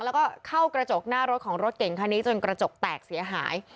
แล้วก็เข้ากระจกหน้ารถของรถเก่งคันนี้จนกระจกแตกเสียหาย